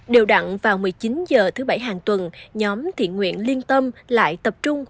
điều đặn vào một mươi chín h thứ bảy hàng tuần nhóm thiện nguyện liên tâm lại tập trung